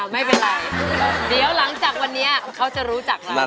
เดี๋ยวหลังจากวันนี้เขาจะรู้จักเรา